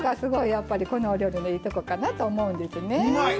やっぱりこのお料理のいいとこかなと思うんですね。